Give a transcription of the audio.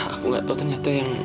aku gak tau ternyata yang